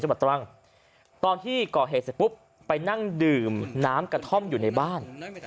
ตรังตอนที่ก่อเหตุเสร็จปุ๊บไปนั่งดื่มน้ำกระท่อมอยู่ในบ้าน